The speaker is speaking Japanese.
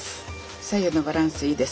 左右のバランスいいです。